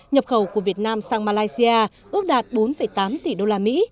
nhập khẩu của việt nam sang malaysia ước đạt bốn tám tỷ usd